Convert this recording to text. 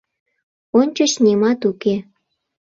— Ончыч нимат уке.